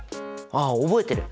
あ覚えてる！